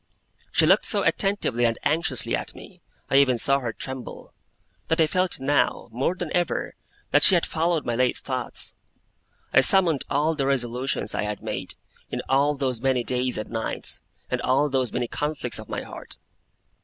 She looked so attentively and anxiously at me (I even saw her tremble), that I felt now, more than ever, that she had followed my late thoughts. I summoned all the resolutions I had made, in all those many days and nights, and all those many conflicts of my heart.